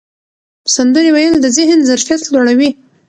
سندرې ویل د ذهن ظرفیت لوړوي.